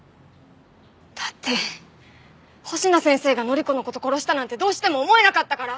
だって星名先生が範子の事殺したなんてどうしても思えなかったから。